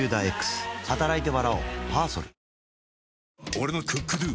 俺の「ＣｏｏｋＤｏ」！